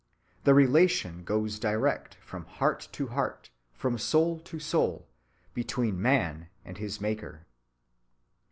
The relation goes direct from heart to heart, from soul to soul, between man and his maker.